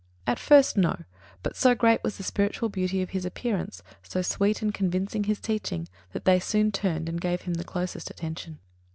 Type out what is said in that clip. At first, no; but so great was the spiritual beauty of his appearance, so sweet and convincing his teaching, that they soon turned and gave him the closest attention.